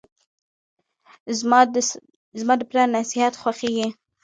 زماد پلار نصیحت خوښیږي.